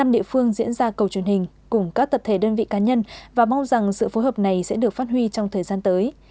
một mươi địa phương diễn ra cầu truyền hình cùng các tập thể đơn vị cá nhân và mong rằng sự phối hợp này sẽ được phát huy trong thời gian tới